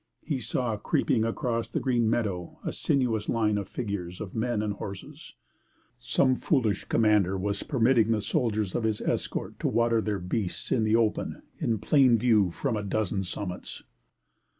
He saw creeping across the green meadow a sinuous line of figures of men and horses some foolish commander was permitting the soldiers of his escort to water their beasts in the open, in plain view from a hundred summits!